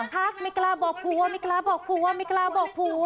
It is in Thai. พักไม่กล้าบอกผัวไม่กล้าบอกผัวไม่กล้าบอกผัว